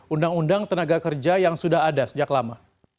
undang undang tenaga kerja yang sudah ada sejak lama